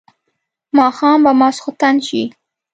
ماښام به ماخستن شي.